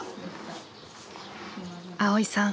蒼依さん